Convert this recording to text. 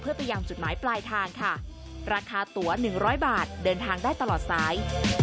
เพื่อไปยังจุดหมายปลายทางค่ะราคาตัว๑๐๐บาทเดินทางได้ตลอดสาย